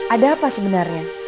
ada apa sebenarnya